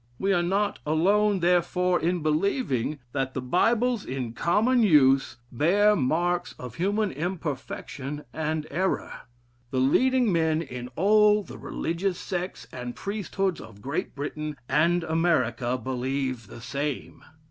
We are not alone, therefore, in believing that the Bibles in common use bear marks of human imperfection and error. The leading men in all the religious sects and priesthoods of Great Britain and America believe the same.